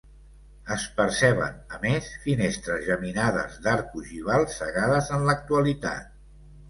Es perceben, a més, finestres geminades d'arc ogival, cegades en l'actualitat.